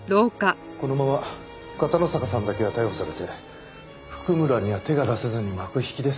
このまま片野坂さんだけが逮捕されて譜久村には手が出せずに幕引きですか。